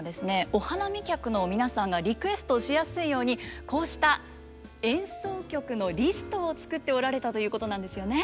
お花見客の皆さんがリクエストしやすいようにこうした演奏曲のリストを作っておられたということなんですよね。